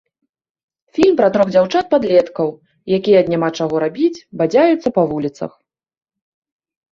Фільм пра трох дзяўчат-падлеткаў, якія ад няма чаго рабіць бадзяюцца па вуліцах.